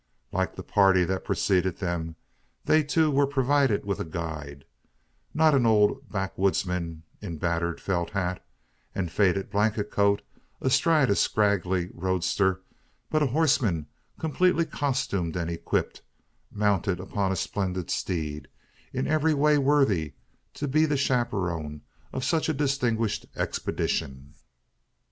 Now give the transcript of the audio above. Like the party that preceded them, they too were provided with a guide not an old backwoodsman in battered felt hat, and faded blanket coat, astride a scraggy roadster; but a horseman completely costumed and equipped, mounted upon a splendid steed, in every way worthy to be the chaperone of such a distinguished expedition.